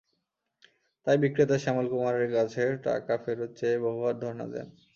তাই বিক্রেতা শ্যামল কুমারের কাছে টাকা ফেরত চেয়ে বহুবার ধরনা দেন।